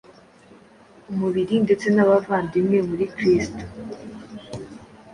umubiri ndetse n’abavandimwe muri Kristo.